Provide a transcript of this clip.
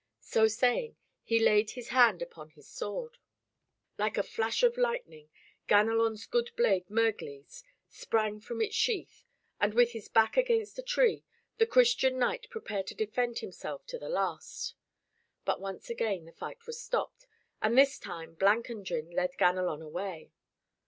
So saying, he laid his hand upon his sword. Like a flash of lightning Ganelon's good blade Murglies sprang from its sheath, and with his back against a tree, the Christian knight prepared to defend himself to the last. But once again the fight was stopped, and this time Blancandrin led Ganelon away.